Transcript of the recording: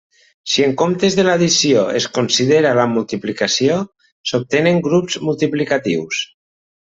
Si en comptes de l'addició es considera la multiplicació, s'obtenen grups multiplicatius.